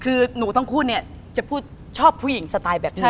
คือนรูกต้องคู่จะพูดชอบผู้หญิงกันสไตล์แบบนี้